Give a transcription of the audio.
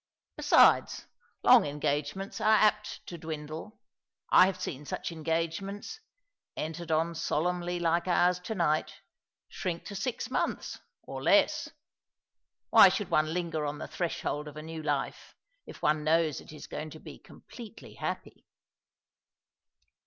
Besides, long engagements are apt to dwindle. I have seen such engage ments—entered on solemnly like ours to night— shrink to six months, or less. Why should one linger on the threshold of a new life, if one knows it is going to be completely happy